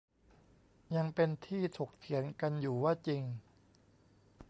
ยังเป็นที่ถกเถียงกันอยู่ว่าจริง